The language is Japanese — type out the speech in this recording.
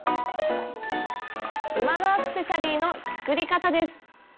馬のアクセサリーの作り方です。